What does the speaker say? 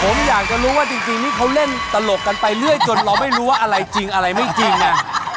ผมอยากจะรู้ว่าจริงนี่เขาเล่นตลกกันไปเรื่อยจนเราไม่รู้ว่าอะไรจริงอะไรไม่จริงอ่ะ